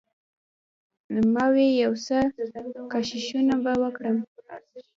ما وې يو څه کښښونه به وکړم.